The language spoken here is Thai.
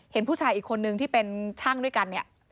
เห็นผู้ชายอีกคนนึงที่เป็นช่างด้วยกันเนี่ย